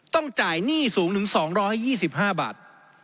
ต้องจ่ายหนี้สูงถึง๒๒๕บาท